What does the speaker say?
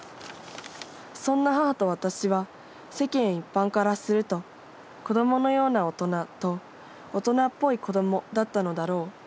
そんな母と私は世間一般からすると『子供のような大人』と『大人っぽい子供』だったのだろう。